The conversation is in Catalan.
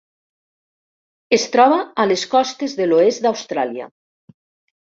Es troba a les costes de l'oest d'Austràlia.